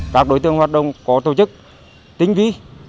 các đối tượng hoạt động có tổ chức tinh vi